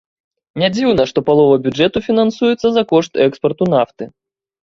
Нядзіўна, што палова бюджэту фінансуецца за кошт экспарту нафты.